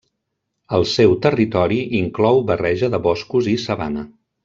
El seu territori inclou barreja de boscos i sabana.